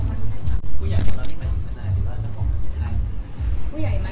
มีความรับรู้สึกอยู่ข้างใน